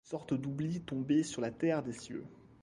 Sorte d’oubli tombé sur la terre des cieux